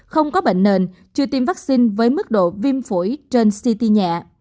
không có bệnh nền chưa tiêm vaccine với mức độ viêm phổi trên ct nhẹ